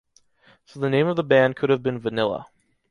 So the name of the band could have been Vanilla.